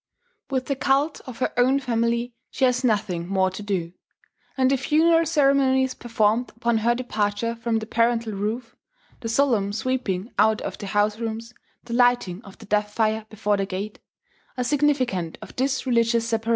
With the cult of her own family she has nothing more to do; and the funeral ceremonies performed upon her departure from the parental roof, the solemn sweeping out of the house rooms, the lighting of the death fire before the gate, are significant of this religious separation.